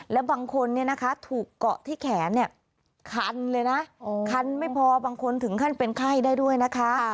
และบางคนถูกเกาะที่แขนคันเลยนะคันไม่พอบางคนถึงขั้นเป็นไข้ได้ด้วยนะคะ